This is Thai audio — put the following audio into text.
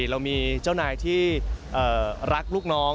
เรามีเจ้านายที่รักลูกน้อง